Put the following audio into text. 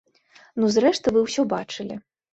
Ну зрэшты вы ўсё бачылі.